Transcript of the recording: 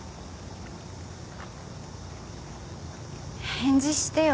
返事してよ。